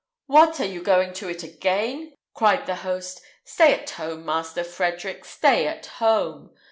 "What! are you going to it again?" cried the host; "stay at home, Master Frederick! stay at home!